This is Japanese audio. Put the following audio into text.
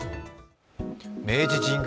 明治神宮